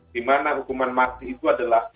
di mana hukuman mati itu adalah